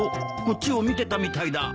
こっちを見てたみたいだ。